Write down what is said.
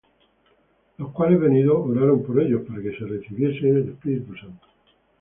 Los cuales venidos, oraron por ellos, para que recibiesen el Espíritu Santo;